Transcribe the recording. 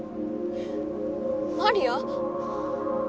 マリア？